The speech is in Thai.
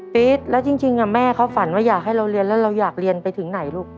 แล้วจริงแม่เขาฝันว่าอยากให้เราเรียนแล้วเราอยากเรียนไปถึงไหนลูก